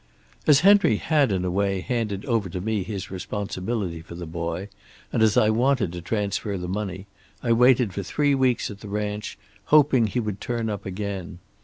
"As Henry had in a way handed over to me his responsibility for the boy, and as I wanted to transfer the money, I waited for three weeks at the ranch, hoping he would turn up again.